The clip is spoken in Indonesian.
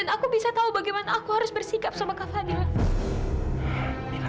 apalagi menyakiti perasaan kamu milad